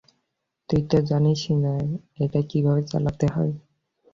তুই তো জানিসই না এটা কিভাবে চালাতে হয়!